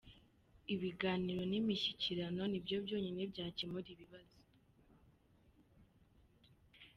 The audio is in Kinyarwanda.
Ibiganiro nimishyikirano ni byo byonyine byakemura ibibazo.